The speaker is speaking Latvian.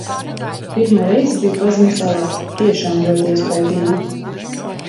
Pirmo reizi biju pazemes alā - tiešām ļoti iespaidīgi!